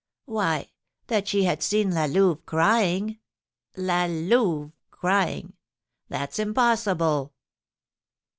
"Why, that she had seen La Louve crying; La Louve crying, that's impossible!"